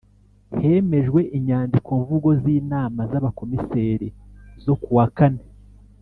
Hemejwe Inyandikomvugo z inama z Abakomiseri zo kuwa kane